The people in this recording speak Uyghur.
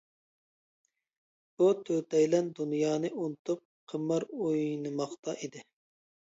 بۇ تۆتەيلەن دۇنيانى ئۇنتۇپ قىمار ئوينىماقتا ئىدى.